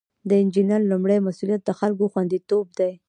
د انجینر لومړی مسؤلیت د خلکو خوندیتوب دی.